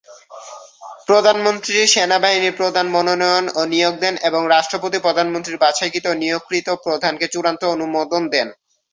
প্রধানমন্ত্রী সেনাবাহিনী প্রধান মনোনয়ন ও নিয়োগ দেন এবং রাষ্ট্রপতি প্রধানমন্ত্রীর বাছাইকৃত ও নিয়োগকৃত প্রধানকে চূড়ান্ত অনুমোদন দেন।